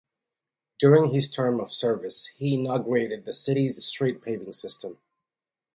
During his term of service, he inaugurated the city's street paving system.